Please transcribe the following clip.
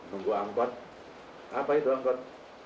nunggu angkot apa itu angkot